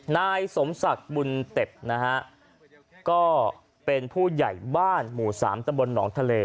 นายสมศักดิ์บุญเต็บนะฮะก็เป็นผู้ใหญ่บ้านหมู่สามตำบลหนองทะเล